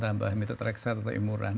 tambah metotrexat atau imuran